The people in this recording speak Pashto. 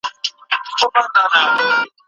پرزولي یې شاهان او راجاګان وه